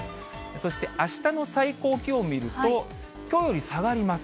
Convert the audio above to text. そしてあしたの最高気温を見ると、きょうより下がります。